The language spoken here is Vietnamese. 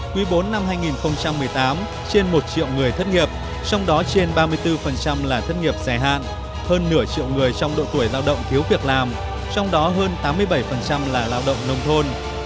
quý bốn năm hai nghìn một mươi tám trên một triệu người thất nghiệp trong đó trên ba mươi bốn là thất nghiệp dài hạn hơn nửa triệu người trong độ tuổi lao động thiếu việc làm trong đó hơn tám mươi bảy là lao động nông thôn